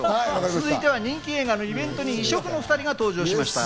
続いては人気映画のイベントに異色の２人が登場しました。